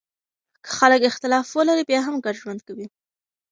که خلګ اختلاف ولري بیا هم ګډ ژوند کوي.